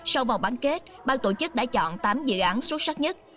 sau vòng bán kết ban tổ chức đã chọn tám dự án xuất sắc nhất